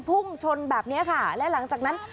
พุ่งชนแบบนี้ค่ะและหลังจากนั้น